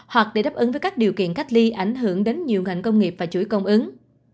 hoặc để đáp ứng với các điều kiện cách ly ảnh hưởng đến nhiều ngành công nghiệp và chuỗi cung ứng